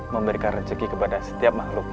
memberikan rezeki kepada setiap makhluk